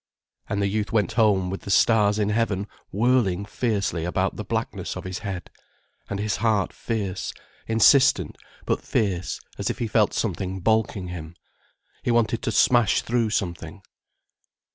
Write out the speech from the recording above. And the youth went home with the stars in heaven whirling fiercely about the blackness of his head, and his heart fierce, insistent, but fierce as if he felt something baulking him. He wanted to smash through something.